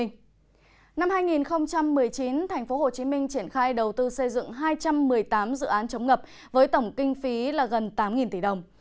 năm hai nghìn một mươi chín tp hcm triển khai đầu tư xây dựng hai trăm một mươi tám dự án chống ngập với tổng kinh phí là gần tám tỷ đồng